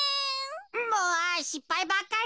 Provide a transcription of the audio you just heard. もうしっぱいばっかり。